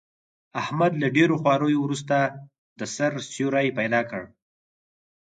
احمد له ډېرو خواریو ورسته، د سر سیوری پیدا کړ.